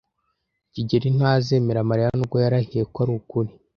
kigeli ntazemera Mariya nubwo yarahiye ko arukuri.